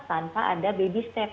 tanpa ada baby step